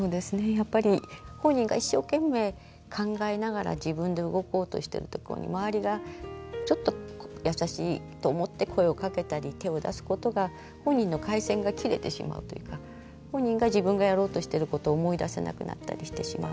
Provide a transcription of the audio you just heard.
やっぱり本人が一生懸命考えながら自分で動こうとしているとこに周りがちょっと優しいと思って声をかけたり手を出すことが本人の回線が切れてしまうというか本人が自分がやろうとしてることを思い出せなくなったりしてしまう。